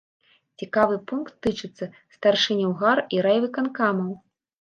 Цікавы пункт тычыцца старшыняў гар- і райвыканкамаў.